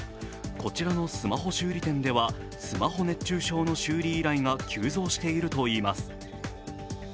こちらのスマホ修理店ではスマホ熱中症の修理依頼が急増しているといいます。